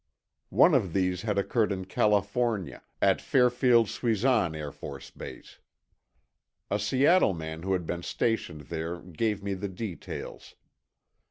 One of these had occurred in California, at Fairfield Suisan Air Force Base. A Seattle man who had been stationed there gave me the details.